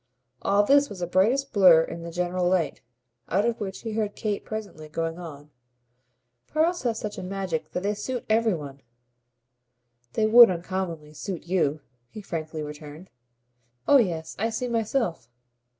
All this was a brighter blur in the general light, out of which he heard Kate presently going on. "Pearls have such a magic that they suit every one." "They would uncommonly suit you," he frankly returned. "Oh yes, I see myself!"